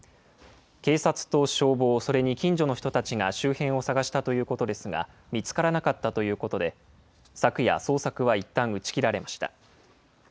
警察と消防、それに近所の人たちが周辺を捜したということですが、見つからなかったということで、昨夜、捜索はいったん打ち切られました。